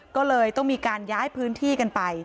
ก็เลยต้องมีการย้ายพื้นที่กันไป